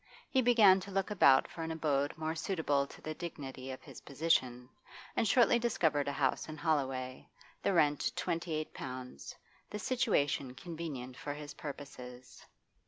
He began to look bout for an abode more suitable to the dignity of his position, and shortly discovered a house in Holloway, the rent twenty eight pounds, the situation convenient for his purposes.